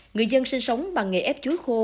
người dân sinh sống bằng nghề ép chuối khô